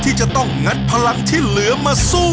ที่จะต้องงัดพลังที่เหลือมาสู้